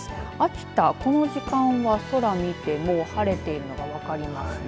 秋田、この時間は空を見ても晴れているのが分かりますね。